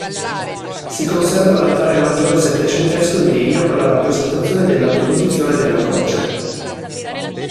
Si conserva l'altare maggiore settecentesco in legno con la rappresentazione della Deposizione dalla Croce.